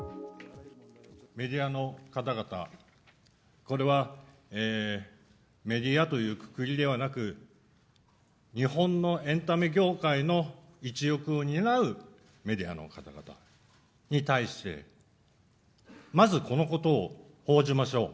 メディアの方々、これはメディアというくくりではなく、日本のエンタメ業界の一翼を担うメディアの方々に対して、まず、このことを報じましょう。